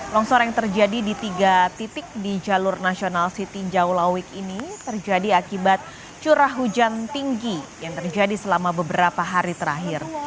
longsor yang terjadi di tiga titik di jalur nasional sitinjau lawik ini terjadi akibat curah hujan tinggi yang terjadi selama beberapa hari terakhir